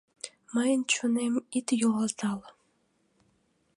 Мыйын чонем ит йӱлалтал.